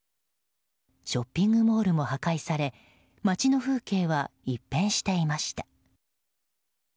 ショッピングモールも破壊され街の風景は一変していました。